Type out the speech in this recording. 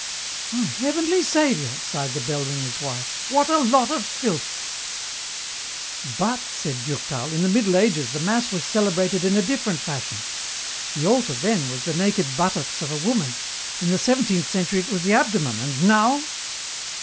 "My heavenly Saviour!" sighed the bell ringer's wife, "what a lot of filth." "But," said Durtal, "in the Middle Ages the mass was celebrated in a different fashion. The altar then was the naked buttocks of a woman; in the seventeenth century it was the abdomen, and now?"